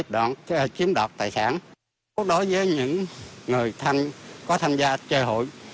đối với những người có tham gia chơi hụi